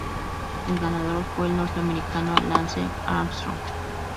El ganador fue el norteamericano Lance Armstrong.